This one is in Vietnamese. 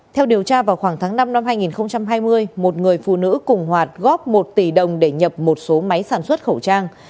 theo điều tra vào khoảng tháng năm năm hai nghìn hai mươi một người phụ nữ cùng hoạt góp một tỷ đồng để nhập một số máy sản xuất khẩu trang